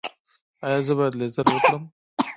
ایا زه باید لیزر وکړم؟